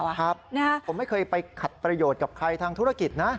ครับผมไม่เคยไปขัดประโยชน์กับใครทางธุรกิจนะ